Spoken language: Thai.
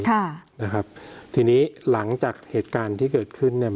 ค่ะนะครับทีนี้หลังจากเหตุการณ์ที่เกิดขึ้นเนี่ย